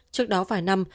trước đó vài năm